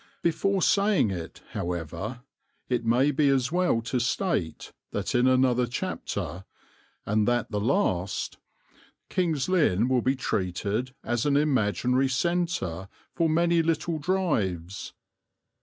Before saying it, however, it may be as well to state that in another chapter, and that the last, King's Lynn will be treated as an imaginary centre for many little drives.